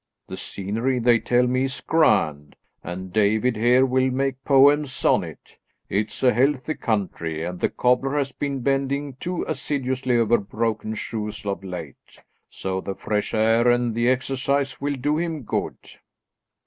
The scenery, they tell me, is grand, and David here will make poems on it. It's a healthy country, and the cobbler has been bending too assiduously over broken shoes of late, so the fresh air and the exercise will do him good."